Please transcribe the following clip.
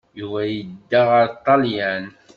Yuba yedda ɣer Ṭṭalyan.